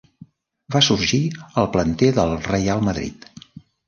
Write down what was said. Va sorgir al planter del Reial Madrid.